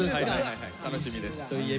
楽しみです。